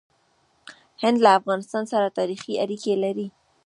هند له افغانستان سره تاریخي اړیکې لري.